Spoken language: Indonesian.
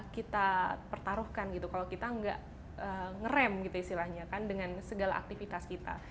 kita pertaruhkan gitu kalau kita nggak ngerem gitu istilahnya kan dengan segala aktivitas kita